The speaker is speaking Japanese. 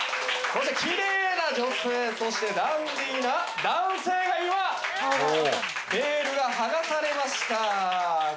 キレイな女性そしてダンディーな男性が今ベールが剥がされました。